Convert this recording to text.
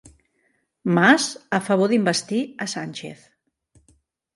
Mas a favor d'investir a Sánchez